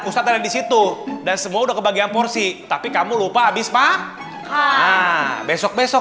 pusat ada di situ dan semua udah kebagian porsi tapi kamu lupa habis pak besok besok